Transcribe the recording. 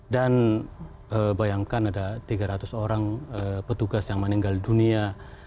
dan bayangkan ada tiga ratus orang petugas yang meninggal dunia